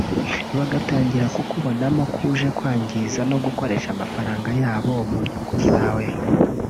bagatangira kukubonamo ko uje kwangiza no gukoresha amafaranga yabo mu nyungu zawe